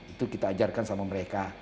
itu kita ajarkan sama mereka